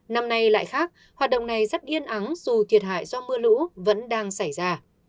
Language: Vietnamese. năm nay lại khác hoạt động này rất yên ắng dù thiệt hại do mưa lũ vẫn đang xảy ra